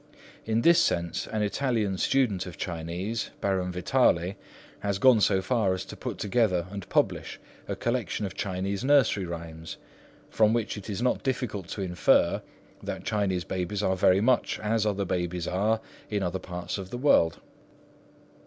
In this sense an Italian student of Chinese, Baron Vitale, has gone so far as to put together and publish a collection of Chinese nursery rhymes, from which it is not difficult to infer that Chinese babies are very much as other babies are in other parts of the world.